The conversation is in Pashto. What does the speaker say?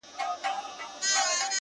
ما خو پخوا مسته شاعري كول.!